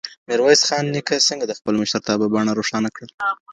ميرويس خان نيکه څنګه د خپل مشرتابه بڼه روښانه کړه؟